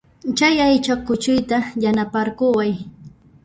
Kay aycha kuchuyta yanaparqukuway